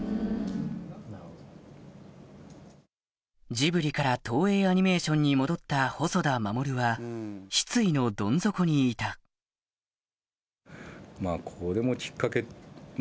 ジブリから東映アニメーションに戻った細田守は失意のどん底にいたなみたいな。